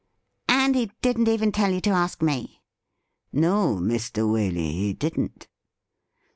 ' And he didn't even tell you to ask me i" 'No, Mr. Waley, he didn't.'